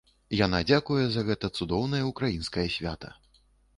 Яна дзякуе за гэтае цудоўнае ўкраінскае свята.